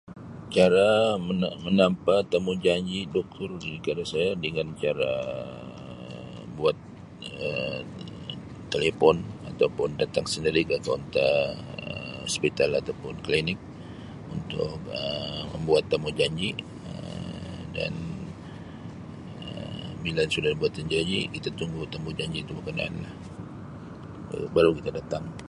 Cara mene-menempah temujanji doktor kalau saya dengan cara buat Um telepon atau pun datang sendiri ke kaunter Um hospital atau pun klinik untuk Um membuat temujanji Um dan Um bila sudah buat temujanji kita tunggu temujanji tu berkenaan lah.